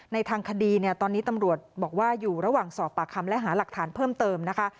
ทางคดีเนี่ยตอนนี้ตำรวจบอกว่าอยู่ระหว่างสอบปากคำและหาหลักฐานเพิ่มเติมนะคะ